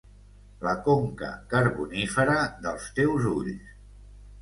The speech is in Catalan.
La conca carbonífera dels teus ulls.